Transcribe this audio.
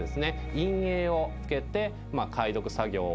陰影をつけて解読作業を行うという。